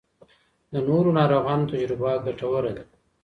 د نورو ناروغانو تجربه ګټوره ده.